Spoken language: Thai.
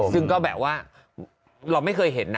ซึ่งก็แบบว่าเราไม่เคยเห็นนะ